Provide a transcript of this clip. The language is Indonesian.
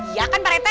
iya kan pak rete